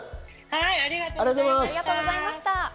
ありがとうございます。